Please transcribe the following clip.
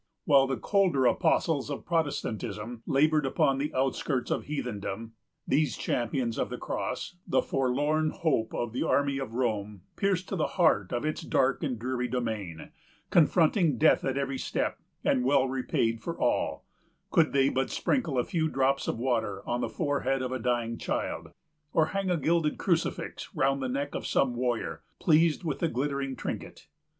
While the colder apostles of Protestantism labored upon the outskirts of heathendom, these champions of the cross, the forlorn hope of the army of Rome, pierced to the heart of its dark and dreary domain, confronting death at every step, and well repaid for all, could they but sprinkle a few drops of water on the forehead of a dying child, or hang a gilded crucifix round the neck of some warrior, pleased with the glittering trinket.